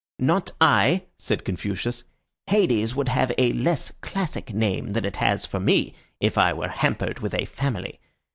"Not I," said Confucius. "Hades would have a less classic name than it has for me if I were hampered with a family.